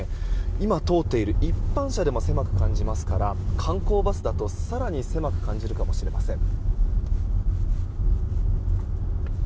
今、通っている一般車でも狭く感じますから観光バスだと更に狭く感じるかもしれません。